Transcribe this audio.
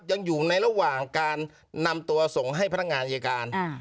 ยังอยู่ในระหว่างการนำตัวส่งให้พนักงานอายการ